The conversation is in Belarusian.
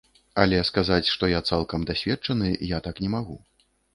Але, сказаць, што я цалкам дасведчаны, я так не магу.